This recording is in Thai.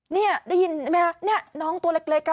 นี่ได้ยินไหมล่ะนี่น้องตัวเล็กค่ะ